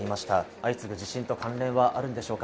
相次ぐ地震と関連があるんでしょうか？